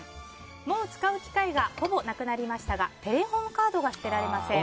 もう使う機会がほとんどなくなりましたがテレホンカードが捨てられません。